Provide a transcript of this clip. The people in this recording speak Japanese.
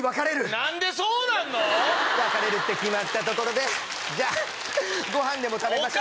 何でそうなるの⁉別れるって決まったところでじゃあごはんでも食べましょ。